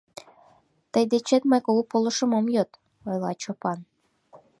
— Тый дечет мый кугу полышым ом йод, — ойла Чопан.